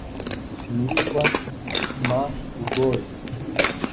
sinirwa m ugoyi